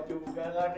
soman keluar alah